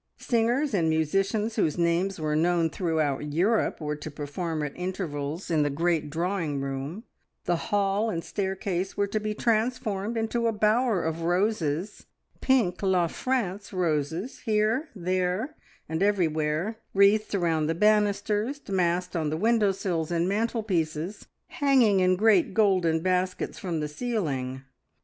Singers and musicians whose names were known throughout Europe were to perform at intervals in the great drawing room; the hall and staircase were to be transformed into a bower of roses, pink La France roses here, there, and everywhere, wreathed round the banisters, massed on the window sills and mantelpieces, hanging in great golden baskets from the ceiling.